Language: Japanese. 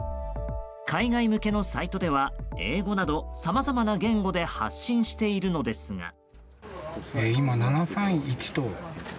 海外向けのサイトでは英語など、さまざまな言語で発信しているのですが。